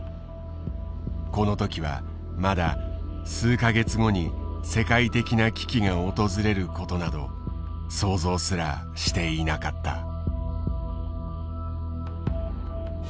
この時はまだ数か月後に世界的な危機が訪れることなど想像すらしていなかった。